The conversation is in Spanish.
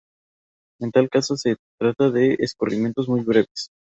En tal caso se trata de escurrimientos muy breves.